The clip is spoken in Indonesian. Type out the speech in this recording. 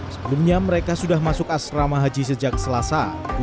sebelumnya mereka sudah masuk asrama haji sejak selasa